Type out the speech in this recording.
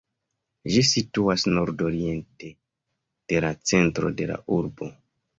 Ĝi situas nordoriente de la centro de la urbo.